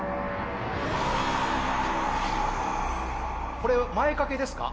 これ前掛けですか？